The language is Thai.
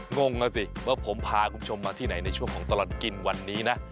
งงอ่ะสิว่าผมพาคุณผู้ชมมาที่ไหนในช่วงของตลอดกินวันนี้นะ